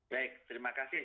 baik terima kasih